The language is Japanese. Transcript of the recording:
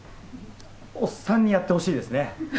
おっさんにやってほしいですね。